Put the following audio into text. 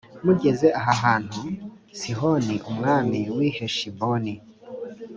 mugeze aha hantu sihoni umwami w’i heshiboni